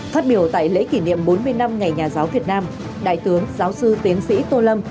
phát biểu tại lễ kỷ niệm bốn mươi năm ngày nhà giáo việt nam đại tướng giáo sư tiến sĩ tô lâm